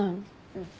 うん。